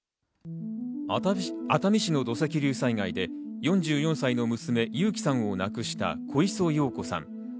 熱海市の土石流災害で４４歳の娘・友紀さんを亡くした小磯洋子さん。